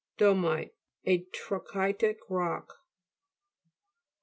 DO'XITE A tra'chytic rock (p.